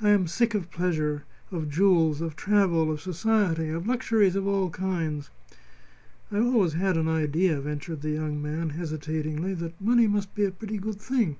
I am sick of pleasure, of jewels, of travel, of society, of luxuries of all kinds." "I always had an idea," ventured the young man, hesitatingly, "that money must be a pretty good thing."